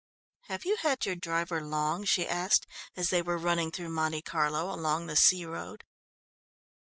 "Have you had your driver long?" she asked as they were running through Monte Carlo, along the sea road.